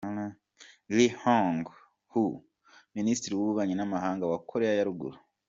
Ri Yong Ho minisitiri w’ububanyi n’amahanga wa Koreya ya Ruguru